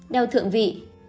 đau thượng vị